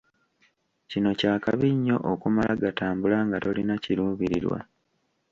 Kino kya kabi nnyo okumala gatambula nga tolina kiruubirirwa.